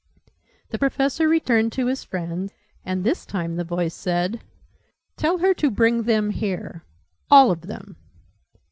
The Professor returned to his friend: and this time the voice said "Tell her to bring them here all of them!"